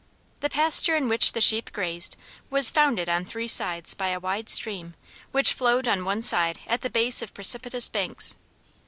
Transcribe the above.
The pasture in which the sheep grazed was founded on three sides by a wide stream, which flowed on one side at the base of precipitous banks.